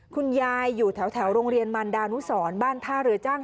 คุณยายอยู่แถวโรงเรียนมันดานุสรบ้านท่าเรือจ้าง